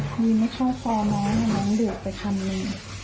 มีไม่ชอบป่อน้อยอ่ะน้องดึกไปทำนี่